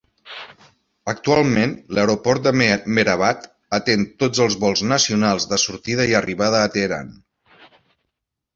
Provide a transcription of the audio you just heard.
Actualment, l'aeroport de Mehrabad atén tots els vols nacionals de sortida i arribada a Teheran.